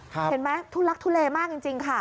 เห็นไหมทุลักทุเลมากจริงค่ะ